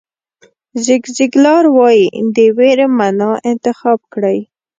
زیګ زیګلار وایي د وېرې معنا انتخاب کړئ.